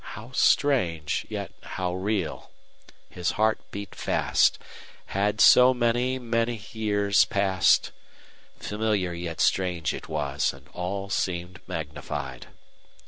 How strange, yet how real! His heart beat fast. Had so many, many years passed? Familiar yet strange it was, and all seemed magnified.